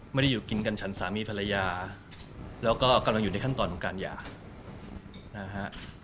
อยู่กินกันฉันสามีภรรยาแล้วก็กำลังอยู่ในขั้นตอนของการหย่านะฮะ